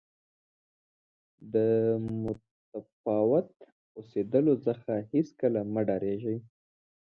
د متفاوت اوسېدلو څخه هېڅکله مه ډارېږئ.